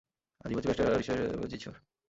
জীব হচ্ছে ব্যষ্টি, আর সকল জীবের সমষ্টি হচ্ছেন ঈশ্বর।